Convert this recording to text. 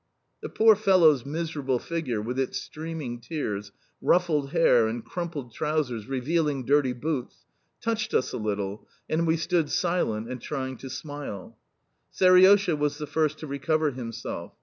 The poor fellow's miserable figure, with its streaming tears, ruffled hair, and crumpled trousers revealing dirty boots, touched us a little, and we stood silent and trying to smile. Seriosha was the first to recover himself.